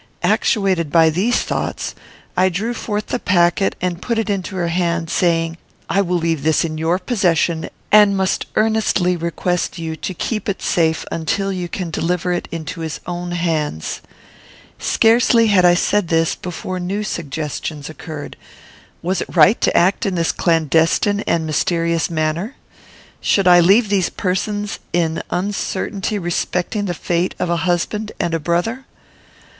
Actuated by these thoughts, I drew forth the packet, and put it into her hand, saying, "I will leave this in your possession, and must earnestly request you to keep it safe until you can deliver it into his own hands." Scarcely had I said this before new suggestions occurred. Was it right to act in this clandestine and mysterious manner? Should I leave these persons in uncertainty respecting the fate of a husband and a brother?